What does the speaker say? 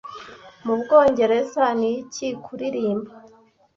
Mu Bwongereza ni iki Kuririmba